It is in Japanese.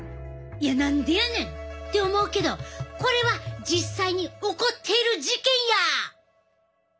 「いや何でやねん！」って思うけどこれは実際に起こっている事件や！